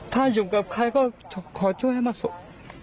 ถ้าอยู่กับใครก็ขอช่วยให้มากสุด